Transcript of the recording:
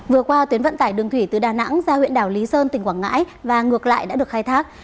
vừa qua tuyến vận tải đường thủy từ đà nẵng ra huyện đảo lý sơn tỉnh quảng ngãi và ngược lại đã được khai thác